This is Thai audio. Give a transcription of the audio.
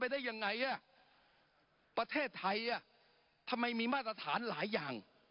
ได้ยังไงอ่ะประเทศไทยอ่ะทำไมมีมาตรฐานหลายอย่าง